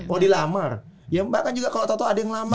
oh di lamar ya bahkan juga kalau tau tau ada yang lamar